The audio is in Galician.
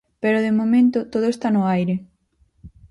Pero de momento todo está no aire.